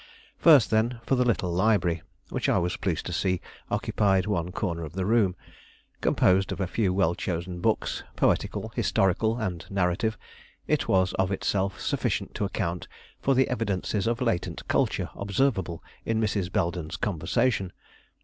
First then, for the little library, which I was pleased to see occupied one corner of the room. Composed of a few well chosen books, poetical, historical, and narrative, it was of itself sufficient to account for the evidences of latent culture observable in Mrs. Belden's conversation.